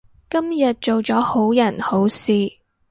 今日做咗好人好事